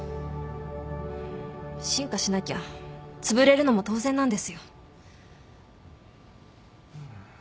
進化しなきゃつぶれるのも当然なんですよ。